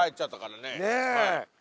ねえ！